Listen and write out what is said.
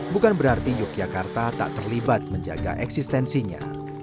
bukan berarti yogyakarta tak terlibat menjaga eksistensinya